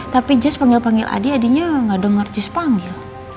tapi jess panggil panggil adi adinya gak denger jess panggil